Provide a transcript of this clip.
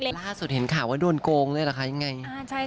ล่าสุดเห็นข่าวว่าโดนโกงเลยเหรอคะยังไง